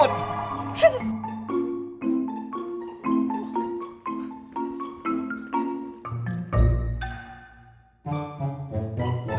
sampai nyang sabar ya pak